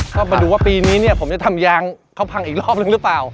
ก็มาดูว่าปีนี้เนี่ยผมจะทำยางเขาพังอีกรอบนึงหรือเปล่า